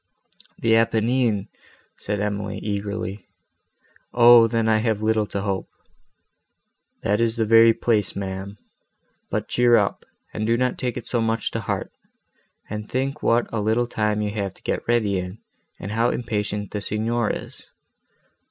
"The Apennines!" said Emily, eagerly, "O! then I have little to hope!" "That is the very place, ma'am. But cheer up, and do not take it so much to heart, and think what a little time you have to get ready in, and how impatient the Signor is.